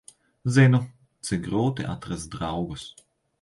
Zinu, cik grūti atrast draugus.